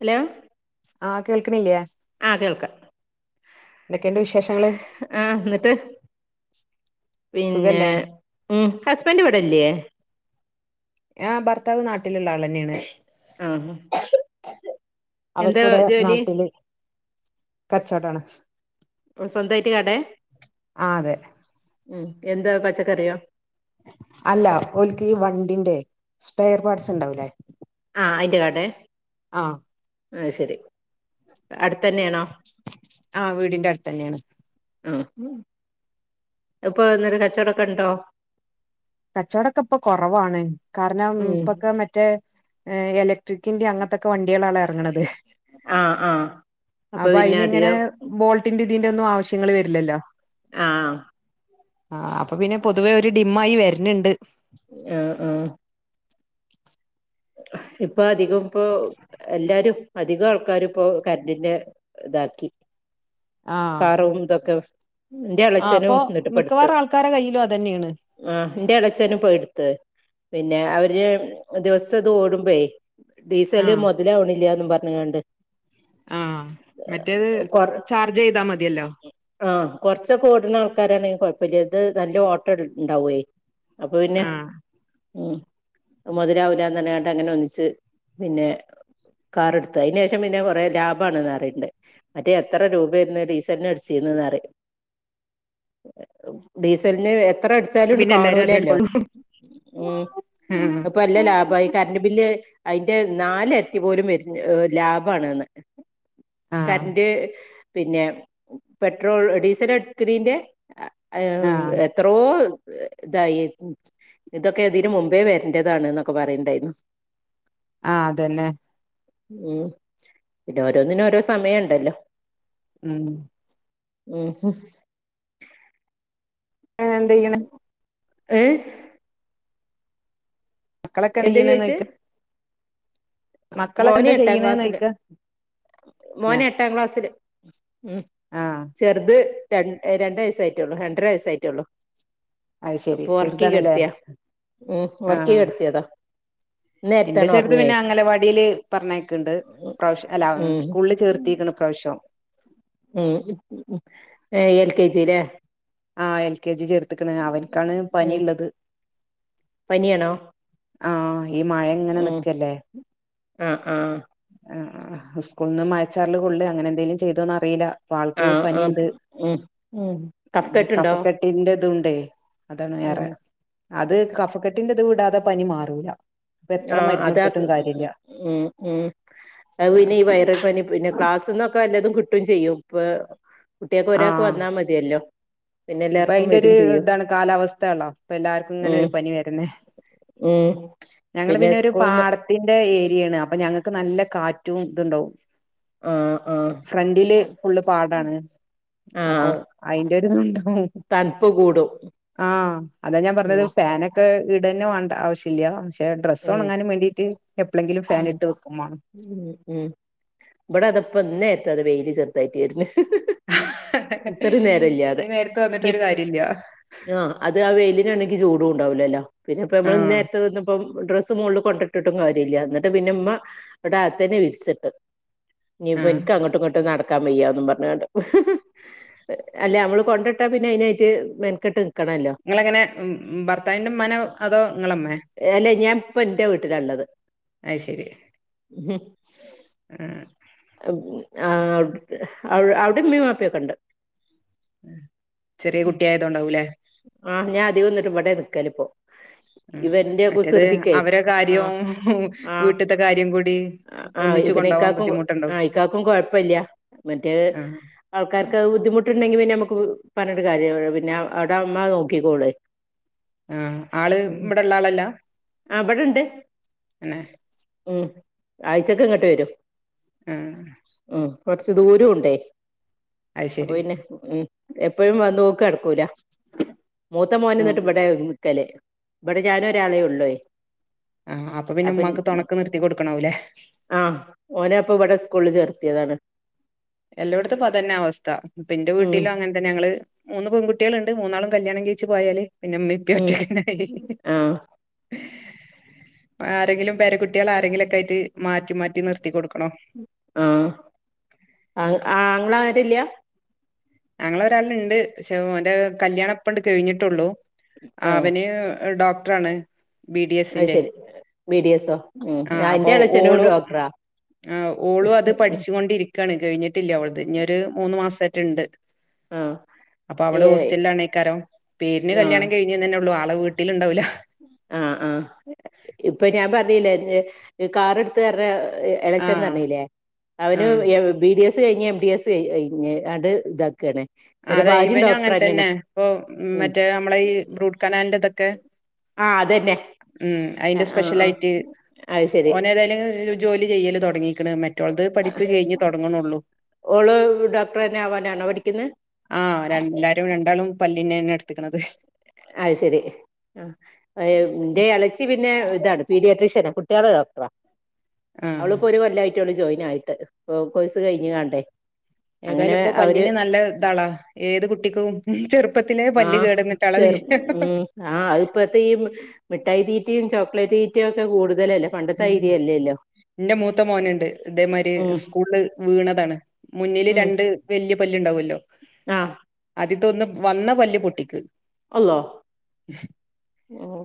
Hello ആഹ് കേൾക്ണില്ലേ ആഹ് കേൾക്കാം എന്തൊക്കെണ്ട് വിശേഷങ്ങള് ആഹ് ന്നട്ട് പിന്നെ സുഖല്ലേ ഉം ഹസ്ബൻഡ് ഇവിടെല്ലേ ആഹ് ഭർത്താവ് നാട്ടിലുള്ള ആളെന്നെണ് ആ ഹ അവർക്ക് ഇവിടെ ജോലി നാട്ടില് കച്ചവടാണ് സ്വന്തായിട്ട് കട ആഹ് അതെ ഉം എന്താ പച്ചക്കറിയോ അല്ല ഓൽക്ക് ഈ വണ്ടിന്റെ സ്പെയർ പാർട്സ് ണ്ടാവൂല്ലേ ആഹ അയിൻ്റെ കടേ ആഹ് അഹ് ശരി അടുത്തന്നെയാണോ ആഹ് വീടിന്റെ അടുത്തന്നെയാണ് ആഹ് അഹ്പ്പൊ എങ്ങനെകച്ചവടൊക്കെണ്ടോ കച്ചോടൊക്കെ ഇപ്പൊ കുറവാണ് കാരണം ഉം ഇപ്പൊക്കെ മറ്റേ ഏഹ് എല ട്രിക്കിന്റെ അങ്ങനത്തൊക്കെ വണ്ടികളാണ് ഇറങ്ങുന്നത് ആ ആ അപ്പൊ പിന്നെ അയിന് ങ്ങനെ അധികം ബോൾട്ടിന്റെ തിന്റെന്നും ആവശ്യങ്ങൾ വരില്ലല്ലോ ആഹ് ആഹ് അപ്പൊ പിന്നെ പൊതുവേ ഒരു ഡിം ആയി വരുണണ്ട് ആഹ് ആഹ് ഇപ്പൊ അധികം ഇപ്പൊ എല്ലാരും അധികം ആൾക്കാരും ഇപ്പോ കരന്റിന്റെ ഇതാക്കി ആഹ് കാറും തൊക്കെ ആഹ് അപ്പൊ മിക്കവാറും ആൾക്കാരെ കയ്യില് അതന്നെയാണ് അഹ് എന്റെ എളയച്ഛനും പഹ്‌ ടുത്ത് പിന്നെ അവര് ദിവസം ഇത് ഓടുമ്പോേ ഡീസൽ ആഹ് മൊതലാവണില്ലന്ന് പറഞ്ങ്ങാണ്ട് അഹ് മറ്റേത് കൊർ ചാർജ് ചെയ്താ മതിയല്ലോ ആഹ് കൊർച്ചക്കെ ഓടുന്ന ആൾക്കാരാണെ കൊഴപ്പല്ല ഇത് നല്ല ഓട്ട ണ്ടാവേ അപ്പൊ പിന്നെ ആഹ് ഉം മൊതലാവൂല തനെ അൻട്ട് ങ്ങനെ ഒന്നിച്ച് പിന്നെ കാറ് എടുത്ത് അയിന് ശേഷം പിന്നെ കൊറെ ലാഭാണ്ന്ന് പറയണ്ട് മറ്റ് എത്ര രൂപയാരുന്നു ഡീസലിന് അടിച്ചിരുന്നേന്ന് അറിയോ ഡീസലിന് എത് എത്ര അടിച്ചാലുണ്ട് പിന്നെ എല്ലാരും അത് കാണൂലല്ലോ എടുക്കുള്ളൂ ഉം ആഹ് അപ്പ നല്ല ലാഭാ ആ ഈ കറണ്ട് ബില്ല് അയിന്റെ നാലെരട്ടി പോലും വെര് ലാഭാണ്ന്ന് ആഹ് കറന്റ് പിന്നെ പെട്രോൾ ഡീസൽ എടുക്കടീന്റെ ആഹ് [unintelligible] എത്രോ ഇതായി ഇതൊക്കെ ഇതിന് മുമ്പേ വെരണ്ടതേനൂന്ന് ഒക്കെ പറയുണ്ടായിരുന്നു ആഹ് അതന്നെ ഉം പിന്നെ ഓരോന്നിനും ഓരോ സമയ ഇണ്ടല്ലോ ഉം ഉം [unintelligible] എന്ത് ചെയ്യും ഏഹ് മക്കളൊക്കെ എന്ത് എന്താ ചെയ്യണ് ചോയിച്ചേ ചോയിക്കാ മോന് എന്താ എട്ടാം ചെയ്യണ്ന്ന് ക്ലാസ്സില് ചോയിക്ക അന്നെ മോൻ എട്ടാം ക്ലാസ്സില് ഉം ആഹ് ചെറുത് രണ്ട് രണ്ട് വയസ്സ് രണ്ടര വയസ്സ് ആയിട്ടേള്ളൂ അത് ശെരി അപ്പൊ ഒറക്കി ചെറുതാണല്ലേ കെടത്തിയാ ഉം ഒറക്കി ആഹ് കെടുത്തിയതാ എന്റെ നേരത്താണ് ചെറുത് ഉറങ്ങേ പിന്നെ അംഗനവാടീല് പറഞ്ഞയക്കണ്ട് ഇപ്രാവശ്യം അല്ല ഉം സ്കൂളിൽ ചേർത്തിക്കണ് ഇപ്രാവശ്യം ഉം ഏഹ് എൽ കെ ജില്ലേ ആഹ് എൽ കെ ജി ചേർത്ത്ക്കണ്‌ അവൻക്കാണ് പനി ഉം ഇള്ളത് പനിയാണോ ആഹ് ഈ മഴ ഇങ്ങനെ ഉം നിക്കല്ലേ ആഹ് ആഹ് ആഹ് ആഹ് സ്കൂളിന്ന് മഴച്ചാറല് കൊള്ളെ അങ്ങനെ എന്തേലും ചെയ്തോന്ന് അറിയില്ല ഇപ്പ ആൾക്ക് ആഹ് ആഹ് പനിയുണ്ട് ഉം ഉം കഫ്ക്കെട്ടുണ്ടോ കഫക്കെട്ട് ഇന്റേതുണ്ടേ അതാണ് ഉം ഏറെ അത് കഫക്കെട്ടിന്റെ ഇത് വിടാതെ പനി മാറൂലാ ഇപ്പൊ എത്ര ആഹ് മരുന്ന് കൊടുത്തിട്ടും അതാക്ക് കാര്യല്ലാ ഉം ഉം അത് പിന്നെ ഈ വയറൽ പനി പിന്നെ ക്ലാസ്സ്ന്നൊക്കെ എല്ലതും കിട്ടും ചെയ്യും ഇപ്പോ കുട്ടികൾക്ക് ഒരാൾക്ക് ആഹ് വന്നാ മതിയല്ലോ പിന്നെ അപ്പൊ എല്ലാർക്കും അയിന്റെ ഒരു വരും ചെയ്യും ഇതാണ് കാലാവസ്ഥ ആണല്ലോ ഇപ്പ എല്ലാര്ക്കും ഇങ്ങനെ ഉം ഒരു പനി വരുന്നേ ഉം ഞങ്ങള് പിന്നെ ഒരു പാടത്തിന്റെ ഏരിയയാണ് അപ്പൊ ഞങ്ങക്ക് നല്ല കാറ്റും ഇതുണ്ടാവും ആഹ് ആഹ് ഫ്രണ്ടില് ഫുള്ള് പാടാണ് അപ്പൊ ആഹ് അയിന്റെ ഒരു [unintelligible] ഉം തണുപ്പ് കൂടും അതാ ഞാൻ പറഞ്ഞത് ഉം ഫാനൊക്കെ ഇടന്ന വേണ്ട ആവശ്യല്ല ഡ്രസ്സ് ഉം ഒണങ്ങാനും വേണ്ടീറ്റ് എപ്പളെങ്കിലും ഫാൻ ഉം ഇട്ട് വെക്കും വേണം ഉം ഉം ഇബടെ അതാ ഇപ്പൊ ഇന്നേരത്താ അതാ വെയില് ചെറുതായിട്ട് വെരുന്ന് ഇത്രയും നേരം ഇല്ലാതെ ഈ നേരത്ത് വന്നിട്ട് ഒരു ഇനിപ് കാര്യല്ല ആഹ് അത് ആ വെയിലിനാണെങ്കി ചൂടും ഇണ്ടാവില്ലല്ലോ പിന്നെ ഇപ്പോ നമ്മള് ഈ ആഹ് നേരത്ത് ഇന്നിപ്പം ഡ്രസ്സ് മോളില് കൊണ്ടട്ടിട്ടും കാര്യല്ല എന്നിട്ട് പിന്നെ ഉമ്മ ഇവിടെ ആത്തനെ വിരിച്ചിട്ട് ഇനിപ്പോ ആഹ് എനിക്ക് അങ്ങട്ടും ഇങ്ങട്ടും നടക്കാൻ വയ്യാന്നും പറഞ്ഞാണ്ട് അല്ലെ നമ്മള് കൊണ്ടിട്ടാ പിന്നെ അതിനായിട്ട് മെൻക്കെട്ട് നിൽക്കണല്ലോ നിങ്ങളങ്ങനെ ഭർത്താവിന്റെ ഇമ്മാണോ അതോ നിങ്ങളമ്മേ അല്ലെ ഞാൻ ഇപ്പോ എന്റെ വീട്ടിലാണുള്ളത് ആയിശെരി മ്മ് ആഹ് ആഹ് ആഹ് അവിടെ ഇമ്മേം വാപ്പേക്കൊണ്ട് ചെറിയ കുട്ടിയായതോണ്ടാവും ലെ ആഹ് ഞാൻ അതികോം എന്നിട്ട് ഇവിടെ നിക്കലിപ്പോ ഉം ഇവന്റെ മറ്റെ അത് കുസൃതിക്കേ അവരെ ആഹ് കാര്യവും ആഹ് വീട്ടിത്തെ കാര്യം കൂടി ആഹ് ഒന്നിച്ച് പിന്നെ കൊണ്ടോവാൻ ഇക്കാക്കും ബുദ്ധിമുട് ആഹ് ഇക്കാക്കും കൊഴപ്പില്ല്യ മറ്റേ ആഹ് ആൾക്കാർക്ക് ബുദ്ധിമുട് ട്ടുണ്ടെങ്കിൽ പിന്നെ നമുക്ക് പറഞ്ഞിട്ട് കാര്യം പിന്നെ അവിടെ ഇമ്മ നോക്കിക്കോള് ആഹ് ആള് ഇവിടെ ഉള്ള ആളല്ല ആഹ് ഇവിടെണ്ട് ഏഹ് ഉം ആഴ്ചക്ക് ഇങ്ങോട്ട് വരും ആഹ് ഉം കുറച്ച് ദൂരം ഉണ്ടേ അത് അപ്പൊ ശരി പിന്നെ ഉം എപ്പോഴും വന്ന് പോക്ക് നടക്കൂല മൂത്ത ആഹ് മോനിന്നിട്ട് ഇവിടെയ നിക്കല് ഇവിടെ ഞാനൊരാളെ ഉള്ളെ ആഹ് അപ്പൊ പിന്നെ ഉമ്മാക്ക് തുണക്ക് നിർത്തി കൊടുക്കണാവൂല്ലേ ആഹ് ഓനെ അപ്പോ ഇവിടെ സ്കൂളിൽ ചേർത്തിയതാണ് എല്ലായിടത്തും ഇപ്പൊ അതന്നെ അവസ്ഥ എന്റെ ഉം വീട്ടിലും അങ്ങനെ പിന്നെ ഞങ്ങള് മൂന്ന് പെൺകുട്ടികളുണ്ട് മൂന്നാളും കല്യാണം കഴിച്ച് പോയാല് പിന്നെ ഇമ്മേം ഉപ്പേം ഉം ഒറ്റക്കന്നെയായി ആഹ് ആരെങ്കിലും പേരകുട്ടികൾ ആരെങ്കിലൊക്കെ ആയിട്ട് മാറ്റി മാറ്റി നിർത്തി കൊടുക്കണം ആഹ് ആ ആങ്ങള ആരുല്ല ആങ്ങള ഒരാളുണ്ട് പക്ഷെ ഓന്റെ കല്യാണം ഇപ്പങ്ങട്ട് കഴിഞ്ഞിട്ടുള്ളു ആ അവന് ഡോക്ടർ ആണ് അത് ശരി ബി ഡി എസോ ഉം ആഹ് അപ്പൊ എന്റെ എളച്ചനും ഓളും ഡോക്ടറാ ആഹ് ഓളും അത് ഉം പഠിച്ചുകൊണ്ടിരിക് ക്കാണ് കഴിഞ്ഞിട്ടില്ല അവളത് ഇനി ഒരു മൂന്ന് മാസമായിട്ടുണ്ട് ആ അപ്പൊ ഏ അവള് ഹോസ്റ്റലിലാണേക്കാരം പേരിന് ആ കല്യാണം കഴിഞ്ഞ തന്നെള്ളൂ ആളെ വീട് ട്ടി ലുണ്ടാവില്ല ആഹ് ആഹ് ഇപ്പൊ ഞാൻ പറഞ്ഞില്ലേ [unintelligible] കാറെടുത്ത് അവർഡ ആ എളച്ചന്ന് അറില്ലേ അവന് ആ ബി ഡി എസ് സ് കഴിഞ്ഞ് എം ഡി എസ് കഴിഞ്ഞങ്ങാണ്ട് ഇതാക്കുവാണ് അതെ ഇവനും അങ്ങനെ തന്നെ ഇപ്പൊ ഉം മറ്റേ നമ്മള ഈ റൂട്ട് കനാലിന്റെ ഇതൊക്കെ ആ അതന്നെ ഉം ആ അതിന്റെ ആ ആ സ്പെഷ്യലായിട്ട് അത് ശരി ഓൻ ഏതായാലും ജോലി ചെയ്യല് തുടങ്ങീക്ക്ണ് മറ്റവളത് പഠപ്പ് കഴിഞ്ഞ് തുടങ്ങണുള്ളൂ ഓള് ഡോക്ടർ തന്നെ ആവാനാണോ പഠിക്കുന്നെ ആഹ് എല്ലാരും രണ്ടാളും പല്ലീന്നെന്നെ എടുത്തക്കണത് അത് ശരി എന്റെ ഇളച്ചി പിന്നെ ഇതാണ് പീഡിയട്രിഷ്യന കുട്ടികളെ ഡോക്ടറാ ആഹ് അവളിപ്പോ ഒരു കൊല്ലവായിട്ട് ജോയിൻ ആയിട്ട് കോഴ്സ് കഴിഞ്ഞ്ങ്ങാണ്ടേ ഏതായാലും ഇപ്പോ പല്ലിന്ന് നല്ല ഇതാളാ ഏത് കുട്ടിക്കും ചെറുപ്പത്തിലേ പല്ല് ആഹ് കേടുവന്നിട്ടാ ചെറു [unintelligible] ഉം ആഹ് അത് ഇപ്പോഴത്തെ ഈ മിഠായി തീറ്റയും ചോക്ലേറ്റ് തീറ്റയുക്കെ കൂടുതലല്ലേ തൈര്യല്ലേല്ലോ ന്റെ മൂത്ത മോനുണ്ട് ഇതേമാരി ഉം സ്കൂള്ല് വീണതാണ് മുന്നില് ഉം രണ്ട് വല്ല്യ പല്ലുണ്ടാവുമല്ലോ ആഹ് തൊന്ന് വന്ന പല്ല് പൊട്ടിക്ക് അള്ളാ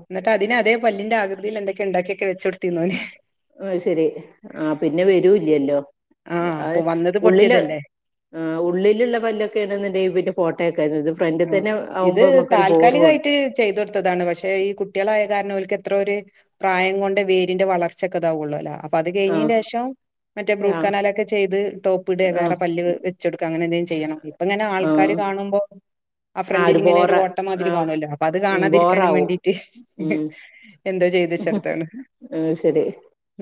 എന്നിട്ട് അതിന് അതേ പല്ലിന്റെ ആകൃതിയിൽ എന്തൊക്കെ ഉണ്ടാക്കിയൊക്കെ വെച്ചൊടുത്ത് [unintelligible] ഓഹ് അത് ശരി ആ പിന്നെ വെരൂല്ലല്ലോ ആഹ് ആ അപ്പൊ വന്നത് ഉള്ളില് പൊട്ടിയതല്ലേ ആഹ് ഉള്ളിലുള്ള പല്ലൊക്കെയാണന്നുണ്ടെ പിന്നെ പോട്ടെ വെക്കാരുന്നു ഇത് ഫ്രണ്ടിൽ തന്നെ ആവുമ്പോ നമ്മക്കൊരു ബോറുവാണ് ചെയ്തൊടുത്തതാണ് പക്ഷെ ഈ കുട്ടികളായ കാരണോല്ക്ക് എത്ര ഒരു പ്രായം കൊണ്ട് വേരിന്റെ വളർച്ചക്കെതാവുള്ളൂലാ അ പ്പൊ അത് ആഹ് കഴിഞ്ഞെൻ്റേഷം മറ്റേ റൂട്ട് ആഹ് കനാലൊക്കെ ചെയ്ത് ടോപ്പിടെ ആഹ് വേറെ പല്ല് വെച്ച് വെച്ചൊടുക്ക അങ്ങനെന്തെലും ചെയ്യണം ഇപ്പ ഇങ്ങനെ ആൾക്കാര് ആഹ് കാണുമ്പോ ആഹ് ഫ്രണ്ടിലിങ്ങനെ ഒരു ഓട്ടമാതിരി ആഹ് കാണുവല്ലോ അപ്പൊ അത് കാണാതിരിക്കാനും ബോറാവും വേണ്ടീട്ട് ഉം എന്തോ ചെയ്ത്ച്ചെടുത്താണ് അത് ശരി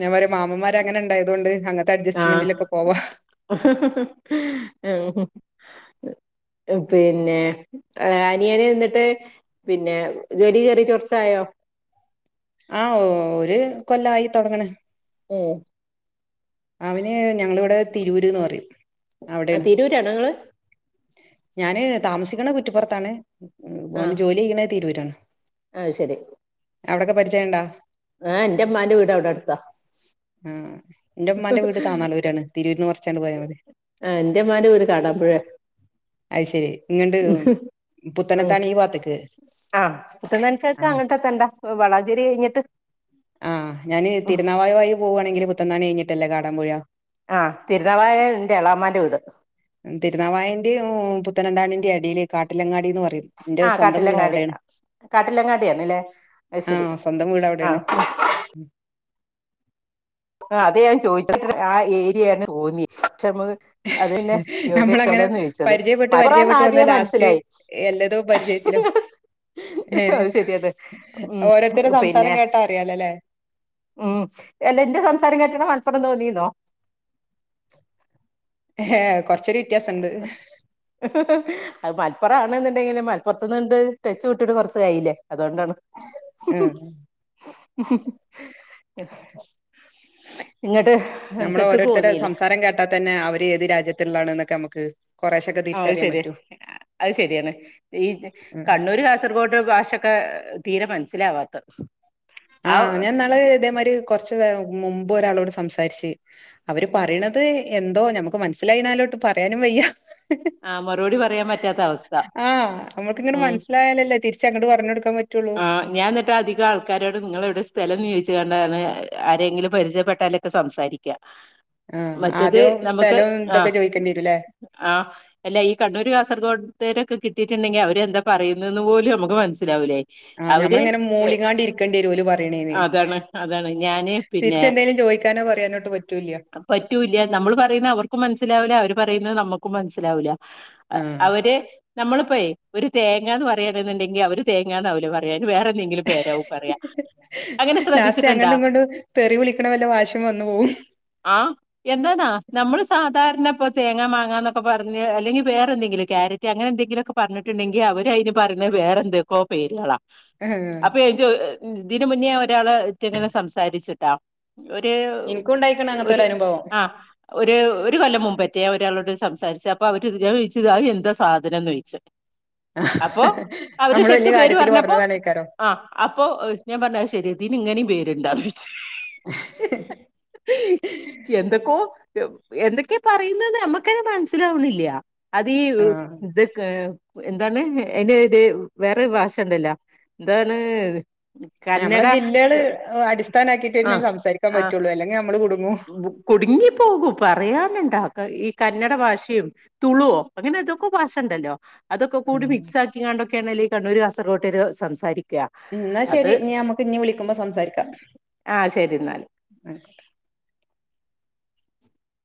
ഞാൻ പറയ മാമമ്മാര് അങ്ങനെ ഒണ്ടായതുകൊണ്ട് അങ്ങത്തെ ആഹ് അഡജസ്റ്റ്മെന്റിലൊക്കെ പോവാ [inaudible] [inaudible] പിന്നെ അനിയന എന്നിട്ട് പിന്നെ ജോലി കേറിട്ട് കൊറച്ചായോ ആഹ് ഓ ഒരു കൊല്ലായി തൊടങ്ങാണ് ഓഹ് അവന് ഞങ്ങളിവിടെ തിരൂര്ന്ന് പറയും അവിടെയാണ് ആഹ് തിരൂരാണോ ങ്ങള് ഞാന് താമസിക്കണ കുറ്റിപ്പുറത്താണ് ഉം ഓന് ആഹ് ജോലി ചെയ്യണ തിരൂരാണ് അത് ശരി അവിടൊക്കെ പരിചയംണ്ടാ ആഹ് എന്റെ ഉമ്മാന്റെ വീടവിടെ അടുത്താ ആഹ് എൻ്റുമ്മാന്റെ വീട് താന്നാലൂരാണ് തിരൂന്ന് കൊറച്ചങ്ങട് പോയാ മതി ആഹ് എൻ്റുമ്മാൻ്റെ വീട് കാടാമ്പുഴയ അയ് ശരി ഇങ്ങണ്ട് ഉം പുത്തനത്താണി ഈ ഭാത്തക്ക് ആഹ് പുത്തനത്താണിക്കൾക്ക് അങ്ങനത്തേക്കെത്തണ്ടാ വളാഞ്ചേരി കയിഞ്ഞിട്ട് ആഹ് ഞാന് തിരുനാവായ വയി പോകുവാണെങ്കില് പുത്തനത്താണി കഴിഞ്ഞിട്ടല്ലേ കാടാമ്പുഴ ആഹ് തിരുനാവായയാ എന്റെ എളാമ്മാന്റെ വീട് തിരുനാവായന്റെയും പുത്തനന്താണിന്റെ എടയിലേ കാട്ടിലങ്ങാടി ന്ന് പറയും ന്റെ ആ സ്വന്തം വീട് കാട്ടിലങ്ങാടി അവിടെയാണ് കാട്ടിലങ്ങാടിയാണല്ലേ അത് ശരി ആഹ് സ്വന്തം വീട് ആഹ് അവിടെയാണ് ആഹ് അതെ ഞാൻ ചോദിച്ചത് ആ ഏരിയാണ് തോന്നി പക്ഷെ മ്മക്ക് അത് പിന്നെ എവിടെന്നു നമ്മളങ്ങനെ സ്ഥലംന്ന് ചോയ്ച്ചത് മലപ്പുറാന്നു ആദ്യേ മനസ്സിലായി എല്ലതോ പരിചയത്തിലും ഏഹ് അത് ശരിയാണ് ഉം ഓരോരുത്തരുടെ പിന്നെ സംസാരം കേട്ടാ അറിയാലോല്ലേ ഉം അല്ല എന്റെ സംസാരം കേട്ടണ മലപ്പുറം തോന്നിന്നോ ഏഹ് കൊറച്ചൊരു വ്യത്യാസംണ്ട് [unintelligible] അത് മലപ്പുറത്തു ആണ് എന്നുണ്ടെങ്കില് മലപ്പുറത്തിന്നിണ്ട് ടെച്ച് വിട്ടിട്ട് കുറച്ച് ആയില്ലേ അതുകൊണ്ടാണ് ആഹ് ഇങ്ങട്ട് നമ്മളെ ഓരോരുത്തരെ സംസാരം കേട്ടാൽ തന്നെ അവര് ഏത് രാജ്യത്തിലുള്ളാണ് എന്നൊക്കെ നമുക്ക് കൊറേശൊക്കെ ആ അയ് തിരിച്ചറിയാൻ ശരി പറ്റും. അത് ശരിയാണ് ഈ ഉം കണ്ണൂര് കാസർഗോഡ് ഭാഷക്കെ തീരെ മനസ്സിലാവാത്തത് ആ ഞാൻ ഇന്നാളു ഇതേമാതിരി കുറച്ച് മുമ്പ് ഒരാളോട് സംസാരിച്ച് അവര് ഉം, പറയണെ അത് എന്തോ ഞമുക്ക് മനസ്സിലായിന്നാലൊട്ട് പറയാനും വയ്യ ആ മറുപടി പറയാൻ പറ്റാത്ത അവസ്ഥ ആ നമ്മുക്കിങ്ങനെ ഉം മനസ്സിലായാലല്ലേ തിരിച്ച് അങ്ങട്ട് പറഞ് കെടുക്കൻ പറ്റുള്ളൂ ആഹ് ഞാൻ എന്നിട്ട് അധികം ആൾക്കാരോട് നിങ്ങള് എവിടെ സ്ഥലന്ന് ചോയ്ച്ചെങ്ങാണ്ടാണ് ആരെങ്കിലും പരിചയപ്പെട്ടാലൊക്കെ സംസാരിക്കുക ആ മറ്റത് ആദ്യവും നമുക്ക് സ്ഥലവും ഇതൊക്കെ ആഹ് ചോദിക്കേണ്ടിരൂല്ലേ ആഹ് അല്ല ഈ കണ്ണൂര് കാസർഗോഡ് ത്തെരൊക്കെ കിട്ടിയിട്ടുണ്ടെങ്കില് അവര് എന്താ പറയുന്നേന്ന് പോലും നമുക്ക് മനസ്സിലാവൂലേ ആഹ് അവര് ഞമ്മളിങ്ങനനെ ഏ, മൂളിങ്ങാണ്ടിരിക്കേണ്ടി വരും ഓല് പറയണേന് അതാണ് അതാണ് ഞാന് പിന്നെ തിരിച്ചെന്തേലും ചോദിക്കാനോ പറയാനോട്ട് പറ്റൂല്ല പറ്റൂല്ല നമ്മള് പറയുന്ന അവർക്കും മനസ്സിലാവില്ല അവര് പറയുന്നത് നമ്മുക്കും മനസ്സിലാവില്ല ആഹ് അവര് നമ്മളിപ്പോയെ ഒരു തേങ്ങന്ന് പറയാണെന്നുണ്ടെങ്കിൽ അവര് തേ ങ്ങാന്നാവില്ലേ പറയാ അയിന് വേറെന്തെങ്കിലും പേരാവും പറയ ലാസ്റ്റ് അങ്ങോട്ടും ഇങ്ങൊട്ടും തെറി വിളിക്കണ വല്ല ഭാഷേവന്നു പോകും ആഹ് എന്തോന്നാ നമ്മള് സാധാരണ ഇപ്പം തേങ്ങാ മാങ്ങാന്നൊക്കെ പറഞ്ഞ് അല്ലെങ്കിൽ വേറെന്തെങ്കിലും ക്യാരറ്റ് അങ്ങനെ എന്തെങ്കിലൊക്കെ പറഞ്ഞിട്ടുണ്ടെങ്കിൽ അവര് അതിന് പറയാണത് വേറെ എന്തൊക്കോ പേരുകളാ ആഹ് അപ്പൊ ഇതിന് മുന്നേ ഒരാള് ആയിറ്റ് ഇങ്ങനെ സംസാരിച്ചുട്ടെ ഒരു ഇനിക്കും ഉണ്ടായിക്കണ് അങ്ങനത്തെ ഒരു അനുഭവം ആഹ് ഒരു ഒരു കൊല്ലം മുന്പേറ്റേ ഒരാളോട് സംസാരിച്ച അപ്പൊ അവര് ചോയ്ച്ച അയ് എന്താ സാധനം എന്ന് ചോദിച്ചു അപ്പോ അവര് നമ്മള് ശരിക്ക് വല്യ പേര് കാര്യത്തില് പറഞ്ഞപ്പോ പറഞ്ഞതാണേക്കാരം ആ അപ്പൊ ഞാൻ പറഞ്ഞ അത് ശരി ഇതിനു ഇങ്ങനെയും പേരുണ്ടേ എന്തൊക്കോ എന്തൊക്കെയാ പറയുന്നെന്നു നമ്മക്കെ മനസ്സിലാവുന്നില്ല അതീ ആഹ് ഇതൊക്കെ എന്താണ് അയിന് ഇത് വേറെ ഭാഷ ഉണ്ടല്ല എന്താണ് നമ്മളെ കന്നഡ ജില്ലകള് അടിസ്ഥാനമാക്കിയിട്ട് ആ തന്നെ സംസാരിക്കാൻ ആ പറ്റുള്ളു അല്ലെങ്കിൽ നമ്മള് കുടുങ്ങൂ കുടുങ്ങിപ്പോകും പറയാനുണ്ടാ ഈ കന്നഡ ഭാഷയും തുളു അങ്ങനെ എന്തോക്കെ ഭാഷ ഇണ്ടല്ലോ അതൊക്കെ ഉം കൂടി മിക്സ് ആക്കിണ്ടൊക്കെയാണ് ഈ കണ്ണൂർ കാസർകോട്ട്കാര് സംസാരി എന്നാ ശരി ഇഞ് നമുക്ക് ഇഞ് വിളിക്കുമ്പോ സംസാരിക്കാം ആ ശരി എന്നാല് ആയിക്കോട്ടെ